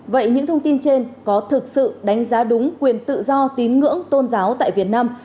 vậy những thông tin trên có thực sự đánh giá đúng quyền tự do tín ngưỡng tôn giáo tại việt nam